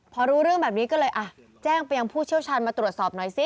พอรู้เรื่องแบบนี้ก็เลยอ่ะแจ้งไปยังผู้เชี่ยวชาญมาตรวจสอบหน่อยสิ